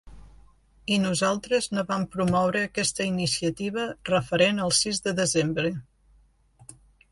I nosaltres no vam promoure aquesta iniciativa referent al sis de desembre.